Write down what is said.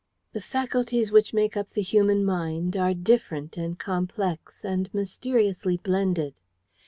The faculties which make up the human mind are different and complex, and mysteriously blended.